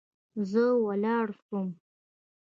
زه ولاړ سوم.